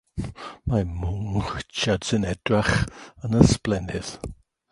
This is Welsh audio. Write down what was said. Ma' mwng Richards yn edrach yn ysblennydd.